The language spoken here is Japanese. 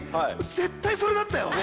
絶対そうだったね。